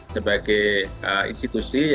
sebagai institusi yang didukasinya